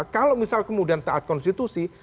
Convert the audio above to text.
kalau misal kemudian taat konstitusi